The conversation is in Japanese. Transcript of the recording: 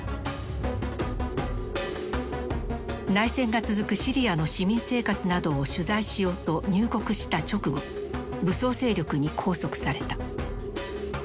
内戦が続くシリアの市民生活などを取材しようと入国した直後武装勢力に拘束された。